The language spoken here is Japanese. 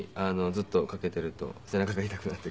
ずっと掛けていると背中が痛くなってくるので。